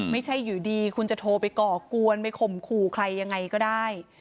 ไม่ใช่อยู่ดีคุณจะโทรไปก่อกวนไปข่มขู่ใครยังไงก็ได้